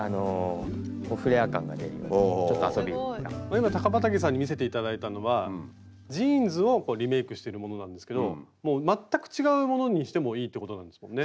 今高畠さんに見せて頂いたのはジーンズをこうリメイクしているものなんですけどもう全く違うものにしてもいいってことなんですもんね。